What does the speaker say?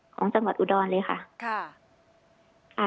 ของจังหวัดอุดรเลยค่ะ